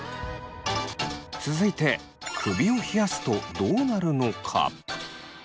続いて首を冷やすとどうなるのか。